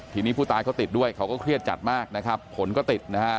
ทีนี้ผู้ตายเขาติดด้วยเขาก็เครียดจัดมากนะครับผลก็ติดนะฮะ